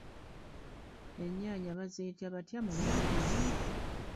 Ennyaanya baziyita batya mu lungereza?